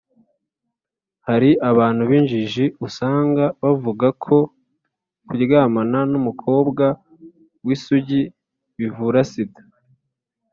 hari abantu b’injiji usanga bavuga ko kuryamana n’umukobwa w’isugi bivura sida.